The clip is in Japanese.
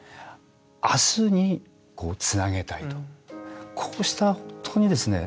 明日につなげたいとこうした本当にですね